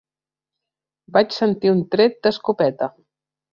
Vaig sentir un tret d'escopeta.